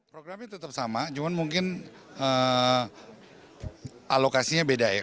programnya tetap sama cuman mungkin alokasinya beda ya